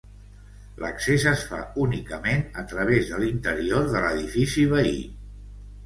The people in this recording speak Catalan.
L'accés es fa únicament a través de l'interior de l'edifici veí.